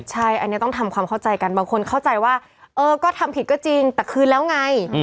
ใช่อันนี้ต้องทำความเข้าใจกันบางคนเข้าใจว่าเออก็ทำผิดก็จริงแต่คืนแล้วไง